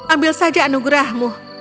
ambil saja anugerahmu